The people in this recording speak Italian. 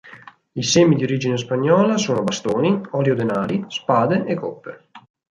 I semi di origine spagnola sono bastoni, ori o denari, spade e coppe.